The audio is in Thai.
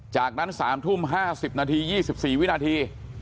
จากนั้น๓ทุ่ม๕๐นาที๒๔วินาที